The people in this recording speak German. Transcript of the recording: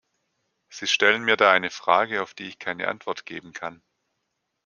Sie stellen mir da eine Frage, auf die ich keine Antwort geben kann.